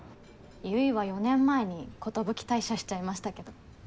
結衣は４年前に寿退社しちゃいましたけど。